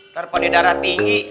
terpon di daerah tinggi